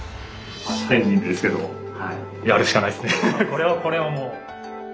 これはこれはもう。